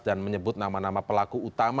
dan menyebut nama nama pelaku utama